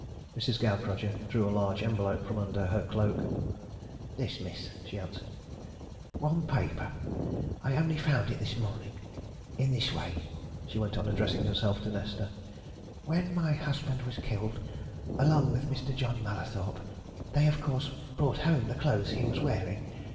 Mrs. Gaukrodger drew a large envelope from under her cloak. "This, miss," she answered. "One paper I only found it this morning. In this way," she went on, addressing herself to Nesta. "When my husband was killed, along with Mr. John Mallathorpe, they, of course, brought home the clothes he was wearing.